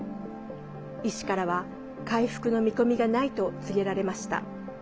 医師からは回復の見込みがないと告げられました。